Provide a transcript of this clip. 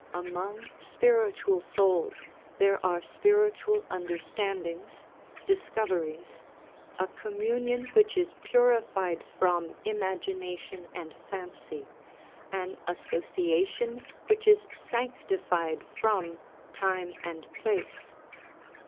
Among spiritual souls there are spiritual understandings, discoveries, a communion which is puri fied from imagination and fancy, an association which is sanctified from time and place.